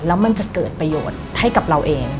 แล้วมันจะเกิดประโยชน์ให้กับเราเอง